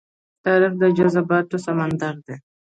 تاریخ د جذباتو سمندر دی.